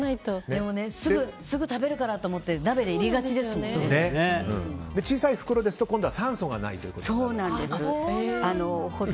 でも、すぐ食べるからと思って小さな袋ですと今度は酸素がないということに。